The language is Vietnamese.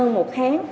hơn một tháng